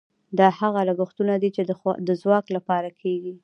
دا هغه لګښتونه دي چې د ځواک لپاره کیږي.